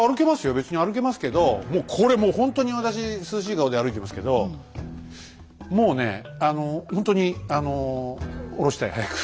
別に歩けますけどもうこれもうほんとに私涼しい顔で歩いてますけどもうねあのほんとにあの下ろしたい早く。